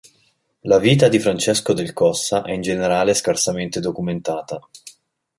La vita di Francesco del Cossa è in generale scarsamente documentata.